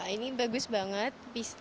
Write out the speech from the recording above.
ini bagus banget